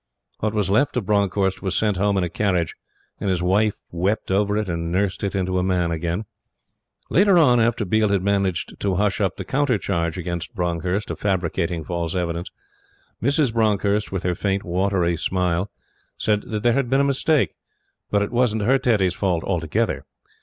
What was left of Bronckhorst was sent home in a carriage; and his wife wept over it and nursed it into a man again. Later on, after Biel had managed to hush up the counter charge against Bronckhorst of fabricating false evidence, Mrs. Bronckhorst, with her faint watery smile, said that there had been a mistake, but it wasn't her Teddy's fault altogether.